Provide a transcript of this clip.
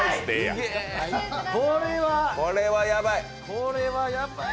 これはやばい。